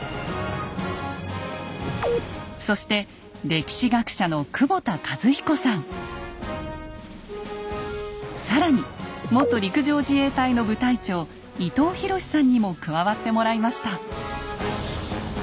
そして歴史学者の更に元陸上自衛隊の部隊長伊東寛さんにも加わってもらいました。